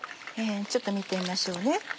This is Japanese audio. ちょっと見てみましょうね。